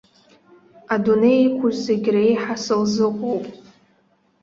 Адунеи иқәу зегьы реиҳа сылзыҟоуп!